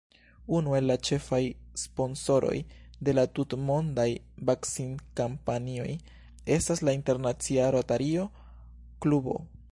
Unu el la ĉefaj sponsoroj de la tutmondaj vakcinkampanjoj estas la internacia Rotario-klubo.